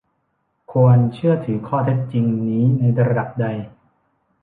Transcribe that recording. ควรเชื่อถือข้อเท็จจริงนี้ในระดับใด